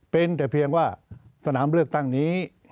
เป็นแต่เพียงว่าสนามเลือกตั้งนี้